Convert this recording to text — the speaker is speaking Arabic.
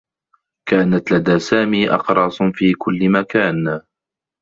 كانت لدى سامي أقراص في كلّ مكان.